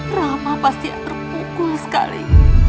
rama pasti terpukul sekali